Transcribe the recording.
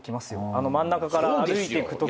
あの真ん中から歩いていくとき。